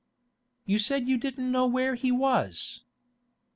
'You said you didn't know where he was.